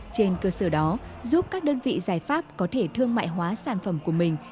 trên cơ sở đó giúp các đơn vị giải pháp có thể thương mại hóa sản phẩm của mình